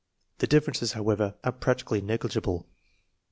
The differences, however, are practically negligible.